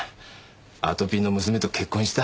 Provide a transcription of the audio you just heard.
あとぴんの娘と結婚した。